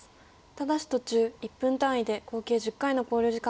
ただし途中１分単位で合計１０回の考慮時間がございます。